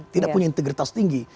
tidak punya integritas tinggi